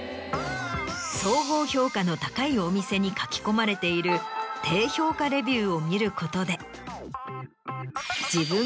総合評価の高いお店に書き込まれている低評価レビューを見ることで。